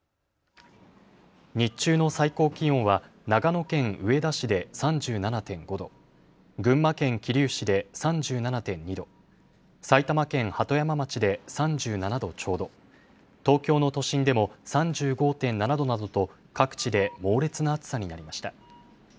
日中の最高気温は長野県上田市で３７．５度、群馬県桐生市で３７．２度、埼玉県鳩山町で３７度ちょうど、東京の都心でも３５．７度などと各地で猛烈な暑さになりました。